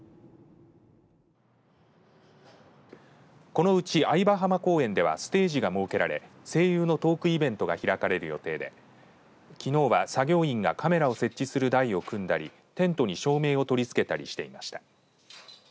このうち、藍場浜公園ではステージが設けられ声優のトークイベントが開かれる予定できのうは作業員がカメラを設置する台を組んだりテントに照明を取り付けたりしていました。